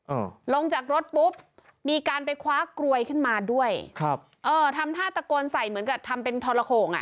ลงจากรถปุ๊บมีการไปคว้ากลวยขึ้นมาด้วยครับเออทำท่าตะโกนใส่เหมือนกับทำเป็นทรโขงอ่ะ